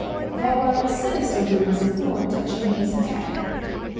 There were sinister rumors abroad touching his death.